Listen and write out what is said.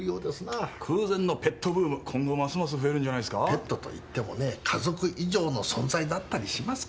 ペットと言ってもね家族以上の存在だったりしますからな。